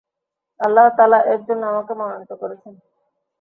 আল্লাহ তায়ালা এর জন্য আমাকে মনোনীত করেছেন।